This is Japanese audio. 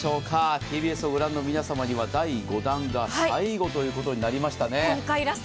ＴＢＳを御覧の皆様には第５弾が最後ということになりました。